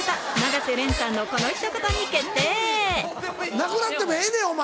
なくなってもええねんお前。